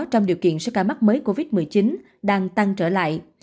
trong điều kiện số ca mắc mới covid một mươi chín đang tăng trở lại